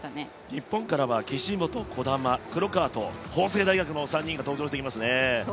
日本からは岸本、児玉、黒川と法政大学の３人が登場してきますね。